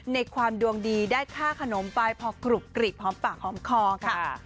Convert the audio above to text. ในความดวงดีได้ค่าขนมไปพอกรุบกรีบหอมปากหอมคอค่ะ